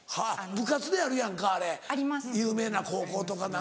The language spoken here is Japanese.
部活であるやんかあれ有名な高校とか何か。